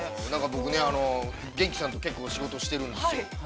◆僕ね、元気さんと結構仕事してるんですよ。